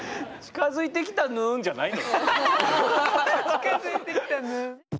「近づいてきたぬん」。